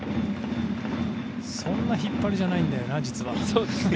そんな引っ張りじゃないんだよな実は。